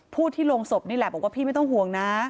ที่โรงศพนี่แหละบอกว่าพี่ไม่ต้องห่วงนะ